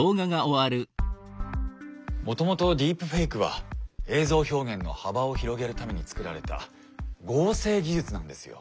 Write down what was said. もともとディープフェイクは映像表現の幅を広げるためにつくられた合成技術なんですよ。